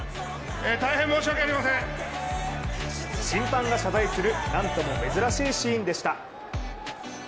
審判が謝罪するなんとも珍しいシーンでした。